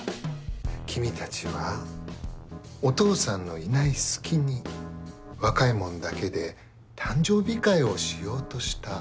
君たちはお父さんのいない隙に若いもんだけで誕生日会をしようとした。